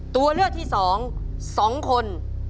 ตัวเลือกที่สองสองคน